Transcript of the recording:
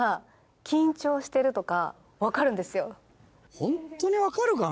ホントに分かるかな？